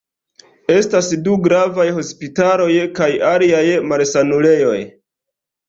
Estas du gravaj hospitaloj kaj aliaj malsanulejoj.